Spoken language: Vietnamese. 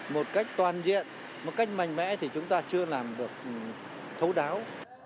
một cách toàn diện một cách mạnh mẽ thì chúng ta chưa làm được thấu đáo